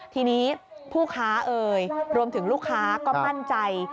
ทีนี้ผู้ค้าเอ่ยรวมถึงลูกค้าก็มั่นใจ